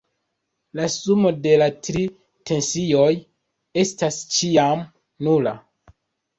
La sumo de la tri tensioj estas ĉiam nula.